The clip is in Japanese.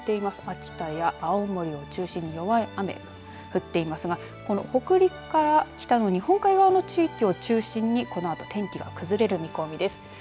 秋田や青森を中心に弱い雨、降っていますがこの北陸から北の日本海側の地域を中心にこのあと天気が崩れる見込みです。